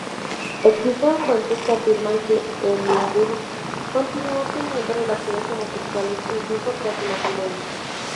Existen fuentes que afirman que Eulenburg continuó teniendo relaciones homosexuales incluso tras su matrimonio.